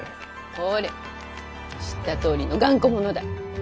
ほれ知ったとおりの頑固者だ。